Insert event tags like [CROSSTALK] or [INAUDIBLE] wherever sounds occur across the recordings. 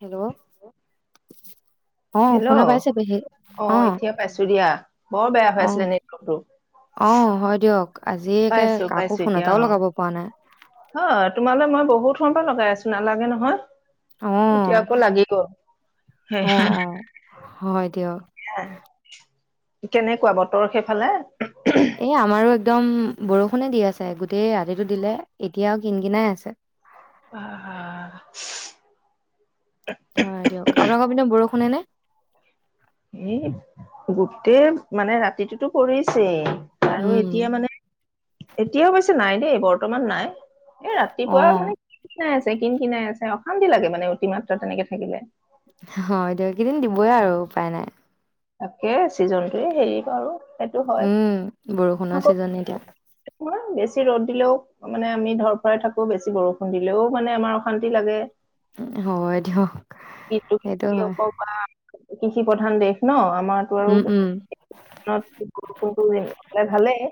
Hello? অ শুনা hello? পাইছে পেহী অ অহ এতিয়া পাইছো দিয়া, বৰ বেয়া অ হৈ আছিলে নেটৱৰ্ক অ টো। হয় দিয়ক আজি একে কাকো পাইছো-পাইছো ফোন এতিয়া এটাও অহ। লগাব পৰা নাই অহ তোমালৈ মই বহুত সময় পৰা লগাই আছো, নালাগে নহয়। অ এতিয়া আকৌ লাগি গ'ল। অ অ হয় দিয়ক কেনেকুৱা বতৰ সেইফালে? এ' আমাৰো একদম বৰষুণে দি আছে। গোটেই ৰাতিটো দিলে। এতিয়া কিন-কিনাই আছে। [UNINTELLIGIBLE] হয় দিয়ক। আপোনালোকৰ পিনে বৰষুণে নে? এ' গোটেই মানে, ৰাতিটো তো পৰিছেই। আৰু উম এতিয়া মানে এতিয়া অৱশ্যে নাই দেই, বৰ্তমান নাই। এ' অ ৰাতিপুৱা মানে, কিন-কিনাই আছে। কিন-কিনাই আছে। অশান্তি লাগে মানে, অতিমাত্ৰ তেনেকে থাকিলে। হয় দিয়ক। এইকেইদিন দিবই আৰু, উপায় নাই। তাকেই ছিজনটোৱে হেৰি আৰু। উম বৰষুণৰ ছিজন এতিয়া। তোমাৰ বেছি ৰ'দ দিলেও মানে আমি ধৰফৰা থাকো বেছি বৰষুণ দিলেও মানে আমাৰ অশান্তি লাগে। হয় দিয়ক। কি সেইটো কিয় হয় কৰ পা কৃষি প্ৰধান দেশ ন? আমাৰটো উম আৰু উম [UNINTELLIGIBLE] ভালেই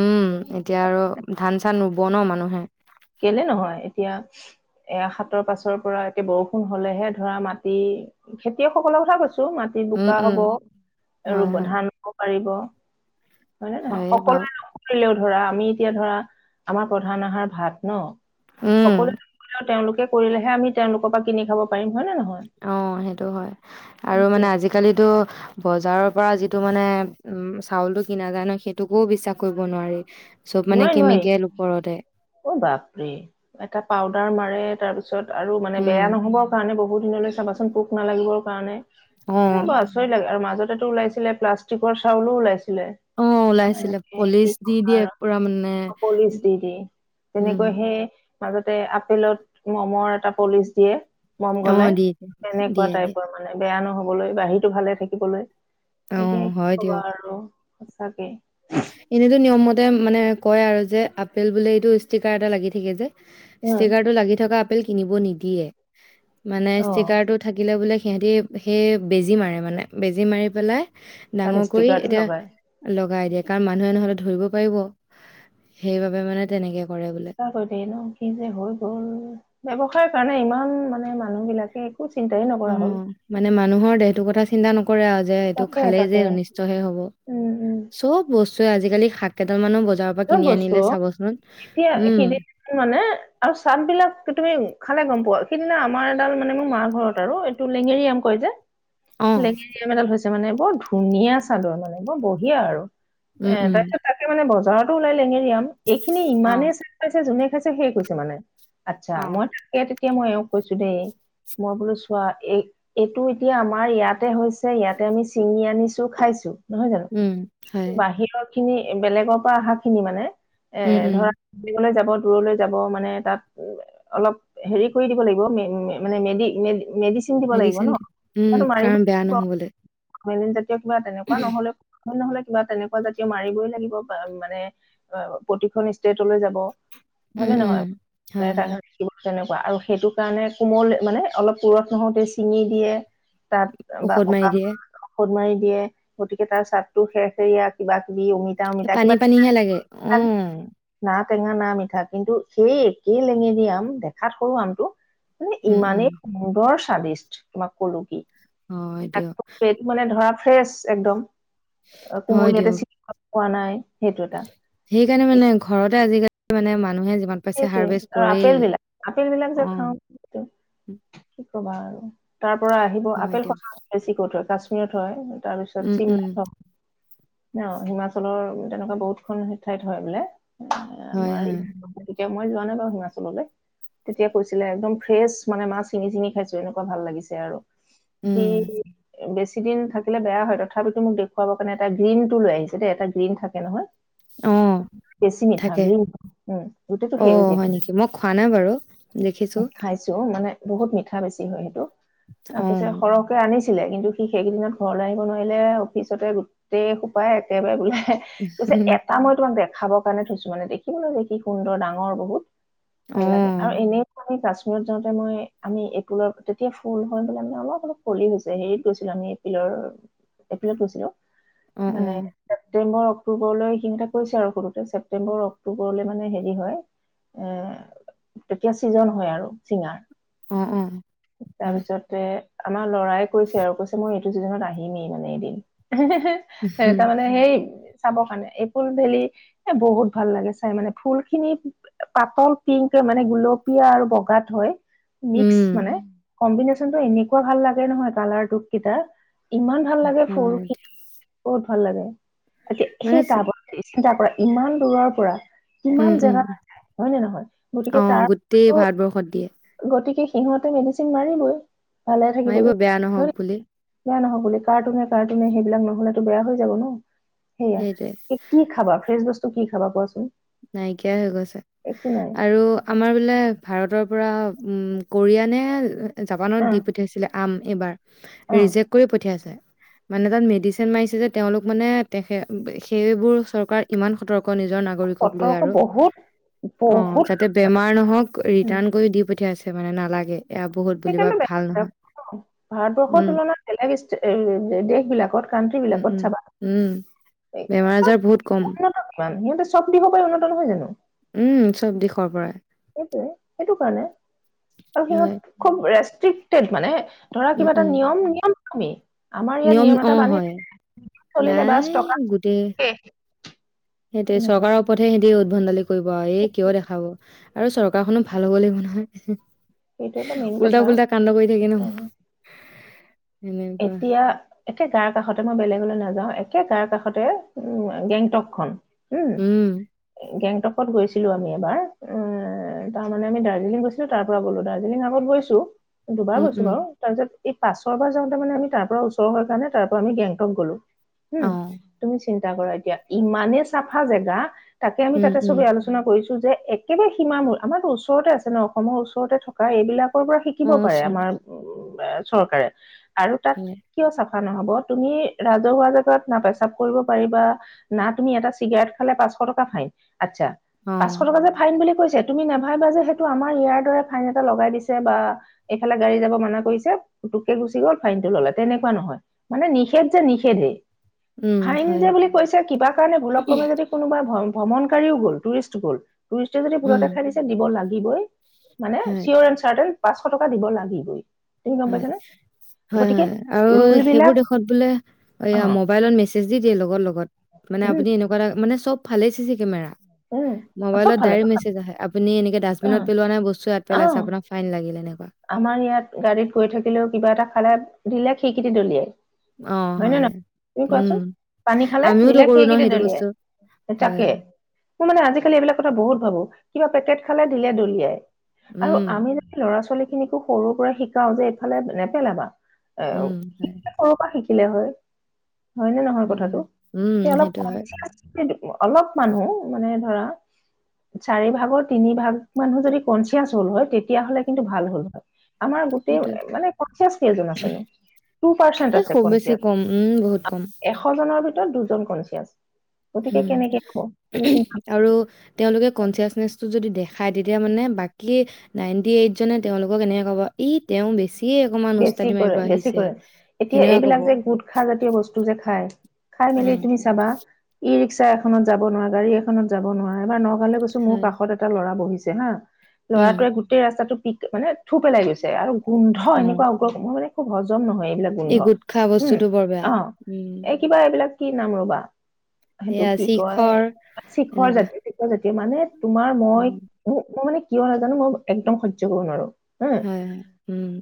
উম এতিয়া আৰু ধান চান ৰুব নহ মানুহে কেলে নহয় এতিয়া এ হাতৰ পাছৰ পৰা এটিয়া বৰষুণ হ'লে হে ধৰা মাটি খেতিয়কসকলৰ কথা কৈছোঁ মাটি উম বোকা উম হ'ব আৰু হয় হয় ধান হ পাৰিব হয় নে নহয় হয়ে বাৰু সকলোৱে নকৰিলেও ধৰা আমি এতিয়া ধৰা আমাৰ প্ৰধান আহাৰ ভাত ন উম, সকলো তেওঁলোক কৰিলেহে আমি তেওঁলোকৰ পৰা কিনি খাব পাৰিম হয় নে নহয় অ সেইটো হয় আৰু মানে সেইটোৱে আজিকালিতো বজাৰৰ পৰা যিটো মানে উম চাউলটো কিনা যায় ন সেইটোকো বিশ্বাস কৰিব নোৱাৰি। চব মানে নোৱাৰি কেমিকেল ওপৰতে ৰে এটা পাউদাৰ মাৰে তাৰপি পিছত আৰু মানে উম, বেয়া নহ'বৰ কাৰণে বহু দিনলৈ চাবাচোন পোক নালাগিবৰ কাৰণে এ অ', বৰ আচৰিত লাগে আৰু মাজত ওলাইছিলে প্লাষ্টিকৰ চাউলো ওলাইছিল অ ওলাইছিলে পলিচ দি ক'বা দিয়ে আৰু পুৰা মানে পলিচ দি দি উম, তেনেকৈ সে মাজতে আপেলত মমৰ এটা পলিচ দিয়ে মম অ', গলাই দি দিয়ে তেনেকুৱা দিয়ে দিয়ে। টাইপৰ মানে বেয়া নহ'ব বলৈ বাহীটো ভালে থাকিবলৈ এতিয়া অ', কি কবা আৰু সঁচাকে এনেইটো নিয়ম মতে তে মানে কয় আৰু যে আপেল বুলে এইটো ষ্টিকাৰ এটা লাগি থাকে যে উম ষ্টিকাৰটো লাগি থকা আপেল কিনিব নিদিয়ে মানে অ ষ্টিকাৰটো থাকিলে বোলে সিহঁতি সেই বেজী মাৰে মানে বেজী মাৰি পেলাই। তাত ডাঙৰ কৰি ষ্টিকাৰটো এতিয়া লগাই লগাই দিয়া। কাৰণ মানুহে নহ'লে ধৰিব পাৰিব। সেইবাবে মানে তেনেকে কৰে বোলে কৰি দে ন কি যে হৈ গ'ল ষ কাৰণে ইমান মানে মানুহবিলাকে অ মানে মানুহৰ দেহ টো কথা চিন্তা নক কৰে আৰু যে এইটো তাকে খালেই যে তাকে অনিষ্টহে হব। উম উম চব বস্তুৱে আজিকালি শাক কেইডালমানো বজ চব বস্তু এতিয়া উম সিদি মানে আৰু চাদ বিলাক তুমি খালে গম পোৱা। স সেইদিনা আমাৰ এডাল মানে মোৰ মাৰ ঘৰত আৰু এইটো লেঙেৰি আম কয় যে অ লেঙেৰি আম এডাল হৈছে। মানে বৰ ধুনীয়া চাদৰ মানে বৰ বঢ়িয়া আৰু। উম এ উম তাৰপিছত তাকে মানে বজাৰত লেঙেৰি আম এইখিনি অ ইমানে চাই পাইছে যোনে খাইছে সে কৈছে মানে। আচ্ছা অ মই তাকে তাকে মই এওঁক কৈছো দেই মই বোলো চোৱা এ এইটো এতিয়া আমাৰ ইয়াতে হৈছে ইয়াতে আমি চিঙি আনিছো খাইছো। নহয় জানো। উম কিন্তু হয় বাহিৰত খিনি বেলেগৰ পৰা অহাত খিনি মানে এ উম উম ধৰা গলে যাব। দূৰলৈ যাব। মানে তাত অলপ হেৰি কৰি দিব লাগিব মানে মেদি মেদি মেডিচিন দি উম কাৰণ বেয়া লাগিব নহবলে। [UNINTELLIGIBLE] কিবা তেনেকুৱা নহ'লেও হয় নহ'লে কিবা তেনেকুৱা জাতীয় মাৰিবই লাগিব বা মানে প্ৰতিখন ষ্টেটলৈ যাব। উম হয়নে উম নহয়? হয় হয় [UNINTELLIGIBLE] তেনেকুৱা। আৰু সেইটো কাৰণে কোমল মানে অলপ পোৰঠ নহওঁতে ছিঙি দিয়ে তাত বা ঔষধ মাৰি পকা দিয়ে ঔষধ মাৰি দিয়ে গতিকে তাৰ চাদতো খেৰ সেৰয়া কিবা কি অমিতা- অমিতা কিবা ধুনীয়া লাগে অ। না টেঙা না মিঠা কিন্তু সেই একেই লেঙেৰি আম দেখাত সৰু আমটো মানে উম, উম, ইমানেই সুন্দৰ স্বাদিষ্ট, তোমাক কলো কি? অ দিয়ক। এইটো মানে ধৰা ফ্ৰেছ একদম হয় কোমল ইয়াতে দিয়ক। চি পোৱা নাই। সেইটো এটা। সেইকাৰণে মানে ঘৰতে আজিকালি মানে মান নহয় সেইটোৱে আৰু আপেল বিলাক, আপেল বিলাক যে খাওঁ অ', স কবা আৰু তাৰ পৰা আহিব হয় আপেল খ দিয়ক। বেছি কতত। কাশ্মীৰত হয়। উম, তাৰপিছত উম, চিমল ন হিমাচলৰ তেনেকুৱা বহুত খন ঠাইত হয় বোলে। হয়, আমাৰ হয়, এই এতিয়া মই যোৱা নাই বাৰু হিমাচললৈ, তেতিয়া কৈছিলে একদম ফ্ৰেছ মানে মাছ চিঙি চিঙি খাইছো এনেকুৱা ভাল লাগিছে আৰু। সি উম, বেছি কেইদিন থাকিলে বেয়া হয় তথাপিতো মোক দেখুৱাব কাৰণে এটা গ্ৰীণ টো লৈ আহিছে দেই, এটা গ্ৰীণ থাকে নহয় অ', বেছি মিঠা থাকে বুলি, উম। গোটেইটো অ সেউজীয়া হয় নেকি মই খোৱা নাই বাৰু, দেখিছো। খাইছো মানে বহুত মিঠা বেছি হয় সেইটো। ত অ', কিছে সৰহকে আনিছে ছিলে কিন্তু সি সেইকেইদিনত ঘৰলৈ আনিব নোৱাৰিলে অফিচতে গোটেই সোপাই একেবাৰে গোল যে উম, এটা মই তোমাক বে খাবৰ কাৰণে থৈছো মানে দেখিব ন যে কি সুন্দৰ ডাঙৰ বহুত অ', ভাল লাগে আৰু এনেই আমি সিহত যাওঁতে মই, আমি এপ্ৰিলৰ তেতিয়া ফুল হয় বোলে মানে অলপ অলপ কলি হৈছে হেৰিত গৈছিলো আমি এপ্ৰিলৰ, এপ্ৰিলত গৈছিলো। অ', অ', মানে ছেপ্তেম্বৰ অক্টোবৰলৈ সেইনিটা কৈছে আৰু সৰুতে ছেপটেম্বৰ অক্টোবৰলৈ মানে হয়, এ তেতিয়া ছিজন হয় আৰু চিঙাৰ। অ', অ', হয়, তাৰপিছতে। আমাৰ লৰাই কৈছে আৰু কৈছে মই এইটো ছিজনত আহিমেই মানে এদিন। সে হে উম, তাৰমানানে সেই। চাব কাৰণে এইপুল ভেলি এ বহুত ভাল লাগে চাই মানে ফুল। খিনি পাতল পিংক মানে গুলপীয়া আৰু বগাত হয়। মিক্স উম, মানে। কম্বিনেশ্যনতটো এনেকুৱা ভাল লাগে নহয় কালাৰটোক কিতা। ইমান ভাল লাগে ফুল হয় খিন দিয়ক। কত। ভাল লাগে। এয়া সেই মানে ত ব চ- চিন্তা কৰা। ইমান দূৰৰ পৰা। কিমান উম, যে। উম, অ গোটেই তাৰ ভাৰতবৰ্ষত দিয়ে। গতিকে সিহঁতে মেডিচেন মাৰিবই। ভালে মাইব থাকিবলৈ বেয়া নহওক হয় বুলি।। বেয়া নহ'ব বুলি কাৰ্টুনে কাৰ্টুনে সেইবিলাক নহলেতো বেয়া হৈ যাব ন। সেইটোৱে সেয়া এই কি খাবা ফ্ৰেছ বস্তু। ত কি খাবা কোৱাচোন। নাইকিয়াই হৈ গৈছে, একো নাই আৰু আমাৰ বোলে ভাৰতৰ পৰা। উম কৰিয়ানে। জাপানত অ দি পঠিয়াইছিলে আম। এইবাৰ। অ ৰিজেক্ট কৰি পঠিয়াইছে। মানে তাত মেডিচিন মাৰিছে যে, তেওঁলোক মানে তেখে সেইবোৰ চৰকাৰ ইমান সতৰ্ক নিজৰ নাগৰি। হে, সতৰ্ক আৰু বহুত অ বহুত যাতে বেমাৰ নহওক ৰিটাণ কৰি দি পঠিয়াইছে। মানে নালাগে। এয়া বহুত বুলি বা সেইকাৰণো ভাল নহয়। বেলেগ ভাৰতবৰ্ষৰ উম, তুলনাত বেলেগ দেশ বিলাকত কানট্ৰি উম, বিলাকত উম, চাবা। উম, বেমাৰ আজাৰ বহুত কম। মান সিহঁতে চব দিশৰ পৰা উন্নতা নহয় জানো। উম চব দিশৰ পৰাই। সেইটো কাৰণে। আৰু হয়। সিহঁত খুব ৰেষ্ট। ষ্ট্ৰিকটেড মানে। ধৰা উম, কিবা এটা উম, নিয়ম নিয়ম। ম [UNINTELLIGIBLE] নিয়ম অ, হয়। চলিলে বাছ নাই, টকা গোটেই শেষ সিহতে তেনেকুৱা চৰকাৰৰ ওপৰত হে সিহতি বাল [UNINTELLIGIBLE] কৰিব, এ কিয় দেখাব? আৰু চৰকাৰখনো ভাল হ'ব লাগিব নহয়। সেইটো এটা মেইন কথা উল্টা-পুল্টা কান্ড কৰি থাকে ন এনেকোৱা । এতিয়া একে গাৰ কাষতে মই বেলেগলৈ নাযাওঁ, একে গাৰ কাষতে উ গেংটকখন উম', গেঙ টকত গৈছিলো আমি এবাৰ । উম, তাৰ মানে আমি দাৰ্জিলিং গৈছিলো ।তাৰ পৰা গ'লো, দাৰ্জিলিং আগত গৈছো। দুবাৰ উম গৈছো উম বাৰু। তাৰপিছত এই, পাছৰ বাৰ যাওঁতে মে আমি তাৰ পৰা ওচৰ কাৰণ তাৰ পৰা আমি গেংটক গ'লো । উম, অ তুমি চিন্তা কৰা, এতিয়া ইমানে চাফা জেগা। তাকে, আমি উম তাতে সবে উম আলোচনা কৰিছো যে একেবাৰে সীমা মূল। আমাৰতো ওচৰতে আছে ন, অসমৰ ওচৰতে থকা এইবিলাক পৰা শিকিব অ পাৰে চৰ্ট আমাৰ। এ চৰকাৰে। আৰু, তাত হয় কিয় ছাফা? নহব। তুমি ৰাজহুৱা জেগাত না পেচাব কৰিব পাৰিবা, না তুমি এটা চিগাৰেট খালে পাঁচশ টকা ফাইন। আচ্ছা, অ পাঁচশ টকা যে ফাইন বুলি কৈছে, তুমি নাভাবিবা যে সেইটো আমাৰ ইয়াৰ দৰে ফাইন এটা লগাই দিছে বা ই এইালে গাড়ী যাব মানা কৰিছে। পুতুককে ফাইন টো ললে তেনেকুৱা নহয়। মানে নিষেধ যে নিষেধে। উম ফাইন হয় যে বুলি কৈছে, কিবা কাৰণে ভুলক কমে যদি কোনোবা, ভয় ভ্ৰমণকাৰীও গ'ল, টুৰিষ্ট গ'ল। টুষ্টে যদি উম ভুলতে খাই দিছে দিব লাগে দিবই মানে, হয় চিঅৰ এণ্ চাৰ্টেন পাঁচশ টকা দিব লাগিবই। তুমি গম পাইছ হয় নে? হয়, হয়। আৰু সেইবোৰ দেশত বোলে অ মবাইলত মেছেজ দি দিয়ে লগত লগত, মানে উম আপুনি এনেকুৱা মানে চব ভালে চি-চি কেমেৰা। উম চব মোবাইলত ফালে চব ডাইৰেক্ট ফালে, মেছেজ আহে আপুনি এনেকে অ ডাষ্টবিনত পেলোৱা নাই বস্তু ইয়াত অ পেলাইছে আপোনাৰ ফাইন লাগিল এনেকুৱা। আমাৰ ইয়াত গাড়ীত গৈ থাকিলেও কিবা এটা খালে দিলে খিকিদী দলিয়াই। হয় নে নহয় তুমি উম কোৱাচোন? পানী খালে আমিওতো দিলে কৰো ন খিকিদি সেইটো বস্তু। দলিয়াই, হয়, তাকে মোৰ মানে আজিকালি এইবিলাক কথা বহুত ভাবোঁ। কিবা পেকেট খালে দিলে দলিয়াই। আৰু উম, আমি যদি ল'ৰা-ছোৱালীক খিনিকো সৰুৰ পৰা শিকাও যে, এইফালে নেপেলাবা। এ উম, হয়, [UNINTELLIGIBLE] সৰুৰ পৰা শিক শিকিলে হয়। হয় নে নহয় কথাটো? হয়। উম, এ অলপ ক সেইটো হয়, [UNINTELLIGIBLE] অলপ মানুহ মানে ধৰা চাৰিভাগৰ তিনিভাগ মানুহ যদি কনচিয়াছ হ'ল হয় তেতিয়াহ'লে কিন্তু ভাল হ'ল [INAUDIBLE] আমাৰ গোটেই সেইটোৱে। মানে কনচিয়াচ কেইজন আছে নো? টুপাৰ্চেন্ট এই আছে খুব বেছি কনচিয়াচ। কম, উম, বহুত কম। [INAUDIBLE] এশজনৰ ভিত দুজন কনচিয়াচ। উম । আৰু তেওঁলোকে কনচিয়াচনেচটো যদি দেখাই তেতিয়া মানে বাকী নাইনটিএইটজনে তেওঁলোকক এনেকে ক'ব। ই তেওঁ বেছি বেছি কৰে-বেছি কৰে, এতিয়া সেনেকুৱা ক'ব, এইবিলাক যে গোটখা জাতীয় বস্তু যে খায়। খাই মেলি উম, তুমি চাবা ই ৰিক্সা এখনত যাব নোৱাৰা, গাড়ী এখনত যাব নোৱাৰা, বা ন ঘৰলে গৈছোঁ মোৰ হয়, কাষত এটা ল'ৰা বহিছে যেনে [UNINTELLIGIBLE] উম, ল'ৰাটোৱে গোটেই ৰাস্তাটো পিক মানে থু পেলাই গৈছে আৰু গোন্ধ এনে অ', [UNINTELLIGIBLE] মানে একো হজম নহয়। এইবিলাক গোন্ধ। এই গোটখা উম। বস্তুটো বৰ বেয়া। অঁহ। উম, এই কিবা এইবিলাক কি নাম ৰবা? সেইটো এয়া কি কয়? শিখৰ শিখৰ এনেকুৱা, জাতীয়-শিখৰ জাতীয় [UNINTELLIGIBLE] মানুহে তোমাৰ মই, উম, মই মানে কিয় নাজানো মই একদম সহ্য কৰিব নোৱাৰোঁ। [UNINTELLIGIBLE] উম।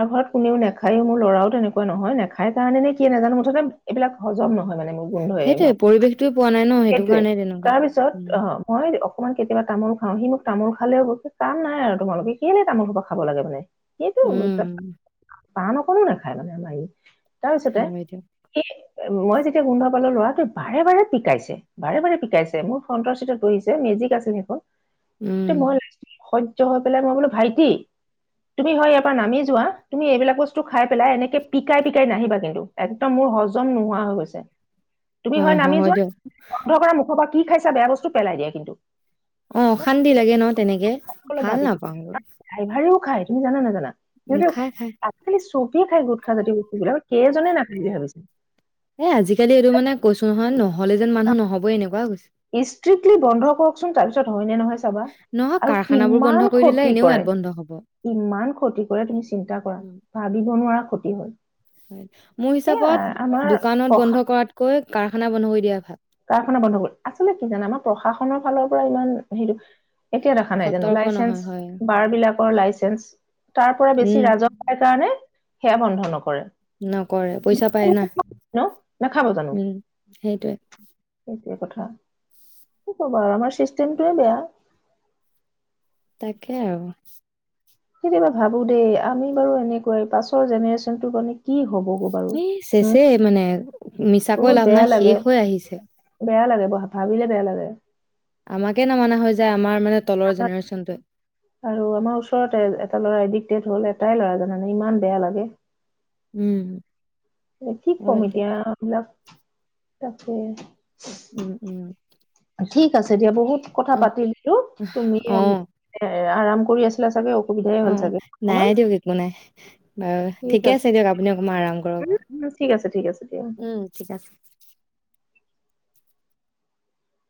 আৰু ঘৰত কোনেও নেখায়‌ও, মোৰ ল'ৰাও তেনেকুৱা নহয় নেখাই কাৰণে নে, কিয়ে নাজানো, মুঠতে এইবিলাক হজম নহয় মানে। মোৰ গোন্ধই মা- সেইটোৱেই পৰিৱেশটোৱেই পোৱা নাই ন, সেইটো সেইটোৱে। কাৰণে তেনেকুৱা। অকণমান কেতিয়াবা তামোল খাওঁ, সি মোক তামোল খালেও কাম নাই [UNINTELLIGIBLE] আৰু তোমালোকৰ কেলে তামোল সোপা খাবা লাগে মানে। সেইটোৱেই আৰু উম, [INAUDIBLE] পান অকণো নেখায় মানে আমাৰ ই তাৰপিছতে হয় দিয়ক। মই যেতিয়া গোন্ধ পালো ল'ৰাটোৱে বাৰে-বাৰে পিকাইছে, বাৰে-বাৰে পিকাইছে মোৰ ফ্ৰণ্টৰ চিটত বহিছে মেজিক আছিল সেইখন উম, [UNINTELLIGIBLE] হৈ পেলাই মই বোলো ভাইটি, তুমি হয় ইয়াৰ নামি যোৱা তুমি এইবিলাক বস্তু খাই পেলাই এনেকে পিকাই পিকাই নাহিবা কিন্তু। একদম মোৰ হজম নোহোৱা হৈ গৈছে। তুমি হয় অ', নামি যোৱা, দিয়ক। বন্ধ কৰা মুখৰ পা কি খাইছা বেয়া বস্তু পেলাই দিয়া কিন্তু। অ অশান্তি লাগে ন তেনেক? অলপ ভাল ভাবিছো, নাপাওঁ এইবোৰ। ড্ৰাইভাৰেও খায়, তুমি জানা নে নাজানা? সেই আজিকালি চকীয়ে খাই গোট খাজদি বস্তু ব কেইজনে নাপায় বুলি ভাবিছিল। এ আজিকালি এইটো মানে কৈছো নহয় নহ'লে যেন মানুহ নহ'বই এনেকুৱা হৈ গৈছে। ইষ্ট্ৰিক্টলি বন্ধ কৰকচোন তাৰপিছত হয় নে নহয় চাবা নহয় আৰু কাৰখানাবোৰ বন্ধ কিমান কৰি দিলে ক্ষতি এনেও ইয়াত কৰে, বন্ধ হ'ব। কিমান ক্ষতি কৰে তুমি চিন্তা কৰা। উম, ভাবিব নোৱাৰা ক্ষতি হয়। মোৰ সেয়াই হিচাপত, দোকানত আমাৰ বন্ধ কৰাতকৈ কাৰখানা বন্ধ কৰি দিয়াই ভাল। কাৰখানা বন্ধ কৰি আচলতে কি জানে আমাৰ প্ৰশাসনৰ ফালৰ পৰা ইমান হেৰিটো এতিয়া দেখা নাই জানো সতৰ্ক লাইচেন্ঞ্চ, নহয় হয়। বাৰ বিলাক ৰ লাইচেন্ঞ্চ তাৰ পৰা উম, বেছি ৰাজহ পাই কাৰণে সেয়া বন্ধ নকৰে। নকৰে পইচা পায় না, ন নাখাব জানো উম সেইটোৱে। সেইটোৱে কথা। কি কবা আৰু আমাৰ চিষ্টেমটোৱে বেয়া। তাকে আৰু। কেতিয়াবা ভাবো দেই আমি বাৰু এনেকোৱা। পাছৰ জেনেৰেচনটো মানে কি হ'বগৈ বাৰু এ উম চেচে মানে। মিছা কৈ বহুত লাভ বেয়া নাই শেষ লাগে হৈ আহিছে। বেয়া লাগে ব ভাবিলে বেয়া লাগে। আমাকে নামনা হৈ যায় আমাৰ মানে তলৰ জেনেৰেশ্যনটোৱে। আৰু আমাৰ ওচৰতে এটা ল'ৰাইদি হ'ল এটাই ল'ৰা জানা ইমান বেয়া লাগে। উম। কি ক'ম হয় দিয়ক। এতিয়া এইবিলাক তাকে। উম, উম। ঠিক আছে দিয়া। বহুত কথা অহ, পাতি দিলো তুমি অ', আৰাম কৰি আছিলা চাগৈ? অঁ, নাই দিয়ক একো নাই। [UNINTELLIGIBLE] বাৰু, ঠিকে আছে দিয়ক। আপুনি অকণমান আৰাম কৰক। ঠিক আছে ঠিক আছে দিয়া উম, ঠিক আছে।